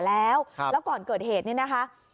แล้วก่อนเกิดเหตุเนี่ยนะคะ